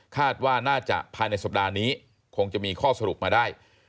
คาดว่าน่าจะภายในสัปดาห์นี้คงจะมีข้อสรุปมาได้